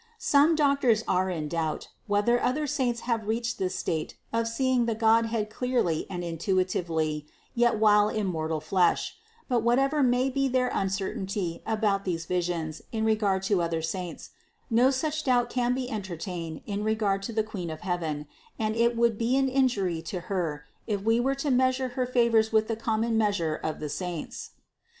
Some doctors are in doubt, whether the other saints have reached this state of seeing the God head clearly and intuitively while yet in mortal flesh ; but whatever may be their uncertainty about such visions in regard to other saints, no such doubt can be entertained in regard to the Queen of heaven, and it would be an injury to Her, if we were to measure her favors with the com mon measure of the saints.